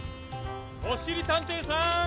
・おしりたんていさん！